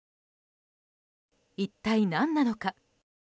一体何なのか。